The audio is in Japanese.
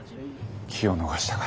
機を逃したか。